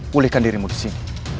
pulihkan dirimu di sini